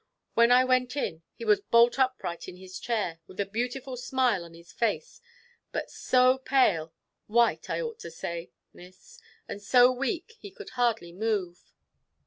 When I went in, he was bolt upright in his chair, with a beautiful smile on his face, but so pale, white I ought to say, Miss, and so weak he could hardly move.